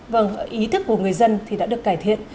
vâng ý thức của người dân thì đã được cải thiện